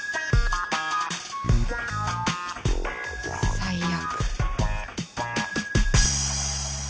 最悪